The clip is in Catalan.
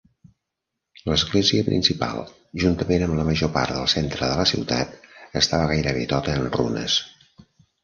L'església principal, juntament amb la major part del centre de la ciutat, estava gairebé tota en runes.